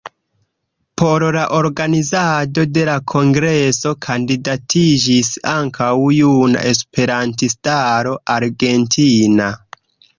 Por la organizado de la kongreso kandidatiĝis ankaŭ Juna Esperantistaro Argentina.